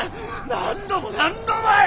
何度も何度もよ！